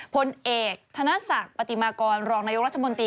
พลเอกธนศักดิ์ปฏิมากรรองนายกรัฐมนตรี